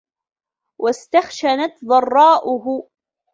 وَاسْتَخْشَنَتْ ضَرَّاؤُهُ